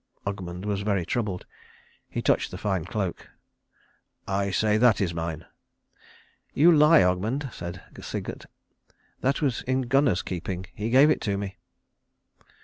Ogmund was very troubled. He touched the fine cloak. "I say that that is mine." "You lie, Ogmund," said Sigurd. "That was in Gunnar's keeping. He gave it to me."